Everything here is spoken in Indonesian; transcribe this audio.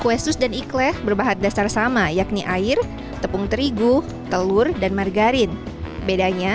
kue sus dan ikhlaq berbahagian dasar sama yakni air tepung terigu telur dan margarin